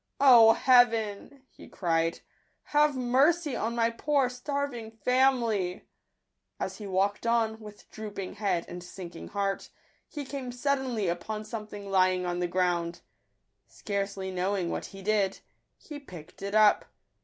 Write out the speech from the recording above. " O Heaven," he cried, " have mercy on my poor starving family !" As he walked on, with drooping head and sinking heart, he came suddenly upon something lying on the ground. Scarcely knowing what he did, he picked it up.